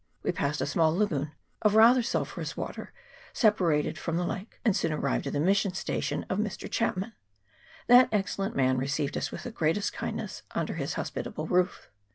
We passed a small lagoon of rather sulphurous water, separated from the lake, and soon arrived at the mission station of Mr. Chapman ; that excellent man received us with the greatest kindness under his hospitable roof.